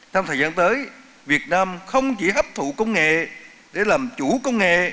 trong thời gian tới việt nam không chỉ hấp thụ công nghệ để làm chủ công nghệ